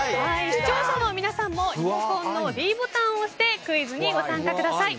視聴者の皆さんもリモコンのｄボタンを押してクイズにご参加ください。